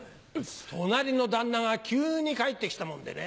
隣の旦那が急に帰ってきたもんでね。